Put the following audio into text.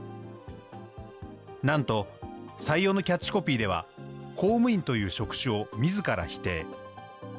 なんと、採用のキャッチコピーでは、公務員という職種をみずから否定。